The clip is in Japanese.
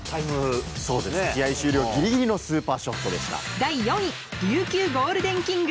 そうです試合終了ギリギリのスーパーショットでした。